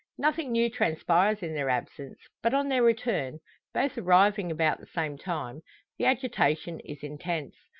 Nothing new transpires in their absence; but on their return both arriving about the same time the agitation is intense.